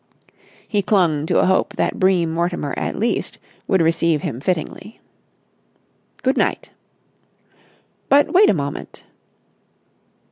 He clung to a hope that Bream Mortimer at least would receive him fittingly. "Good night!" "But wait a moment!"